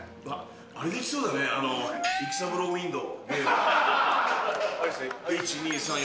あれできそうだね、育三郎ウ１、２、３、４。